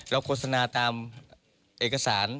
โฆษณาตามเอกสาร